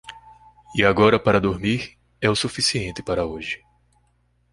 E agora para dormir, é o suficiente para hoje.